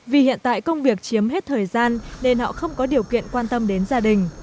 vì hiện tại công việc chiếm hết thời gian nên họ không có điều kiện quan tâm đến gia đình